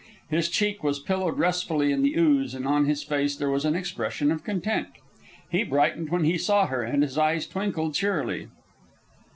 His cheek was pillowed restfully in the ooze, and on his face there was an expression of content. He brightened when he saw her, and his eyes twinkled cheerily.